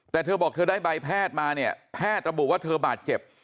แต่เธอบอกเธอได้ใบแพทย์มาเนี่ยแพทย์ระบุว่าเธอบาดเจ็บ